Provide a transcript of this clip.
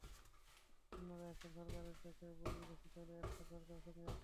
অন্যরা এখন সরকারের চোখে বৈরী ঘোষিত হলেও এরশাদ সরকারের সঙ্গেই আছেন।